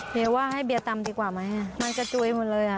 เดี๋ยวว่าให้เบียร์ตำดีกว่าไหมมันกระจุยหมดเลยอ่ะ